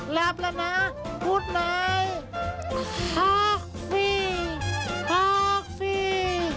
หลับแล้วนะพูดไหนฮอกฟี่ฮอกฟี่